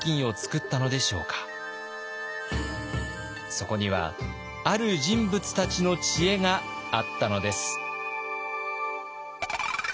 そこにはある人物たちの知恵があったのです。